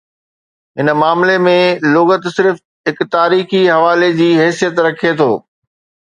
هن معاملي ۾، لغت صرف هڪ تاريخي حوالي جي حيثيت رکي ٿو.